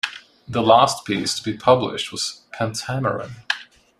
The last piece to be published was ""Pentameron"".